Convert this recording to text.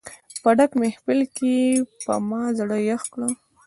په ډک محفل کې یې په ما زړه یخ کړ.